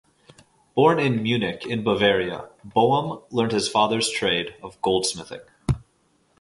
Born in Munich in Bavaria, Boehm learned his father's trade of goldsmithing.